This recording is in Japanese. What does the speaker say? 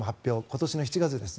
今年の７月です。